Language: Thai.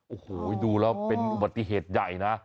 โอ้โหดูแล้วเป็นอุบัติเหตุใหญ่นะ